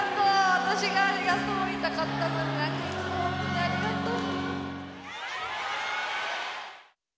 私がありがとう言いたかったのに、なんか、いつも本当にありがとう。